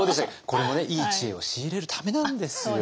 これもいい知恵を仕入れるためなんですよ。